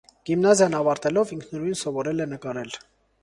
Գիմնազիան ավարտելով՝ ինքնուրույն սովորել է նկարել։